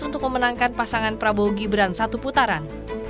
untuk memenangkan pasangan prabowo gibran satu putaran